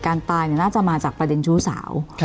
การตายน่าจะมาจากประเด็นชู้สาว